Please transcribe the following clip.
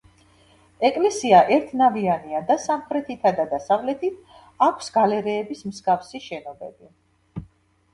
ეკლესია ერთნავიანია და სამხრეთითა და დასავლეთით აქვს გალერეების მსგავსი შენობები.